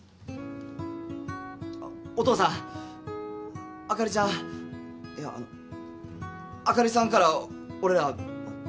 あっお父さんあかりちゃんいやあのあかりさんから俺らあっ